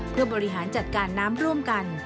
เพื่อบริหารจัดการน้ำร่วมกัน